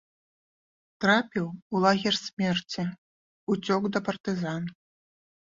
Трапіў у лагер смерці, уцёк да партызан.